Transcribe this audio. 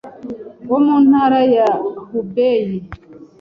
wo mu ntara ya Hubei,